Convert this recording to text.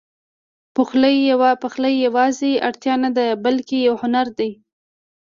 پخلی یواځې اړتیا نه ده، بلکې یو هنر دی.